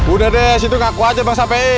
udah deh situ ngaku aja pak shafi'i